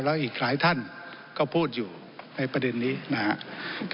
แล้วอีกหลายท่านก็พูดอยู่ในประเด็นนี้นะครับ